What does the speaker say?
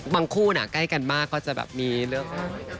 บางคู่น่ะใกล้กันมากก็จะแบบมีเรื่องอะไร